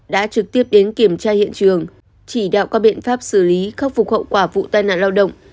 đã trực tiếp đến kiểm tra hiện trường chỉ đạo các biện pháp xử lý khắc phục hậu quả vụ tai nạn lao động